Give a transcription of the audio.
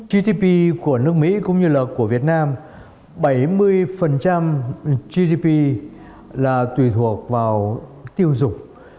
gdp của nước mỹ cũng như là của việt nam bảy mươi gdp là tùy thuộc vào tiêu dục